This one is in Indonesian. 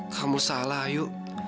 kamu salah ayu